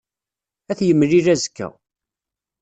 Ad t-yemlil azekka.